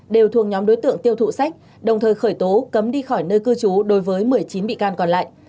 đều thuộc nhóm đối tượng tiêu thụ sách đồng thời khởi tố cấm đi khỏi nơi cư trú đối với một mươi chín bị can còn lại